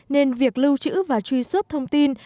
nên việc lưu trữ và truy xuất thông tin